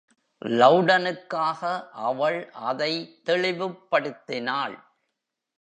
லௌடனுக்காக அவள் அதை தெளிவுப்படுத்தினாள்.